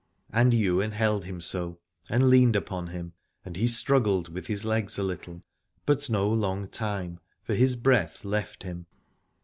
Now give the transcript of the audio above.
And Ywain held him so and leaned upon him : and he struggled with his legs a little, but no long time, for his breath left him.